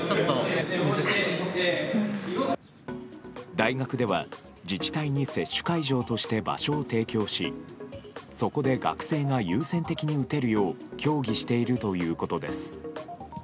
大学では自治体に接種会場として場所を提供しそこで学生が優先的に打てるよう協議しているということです。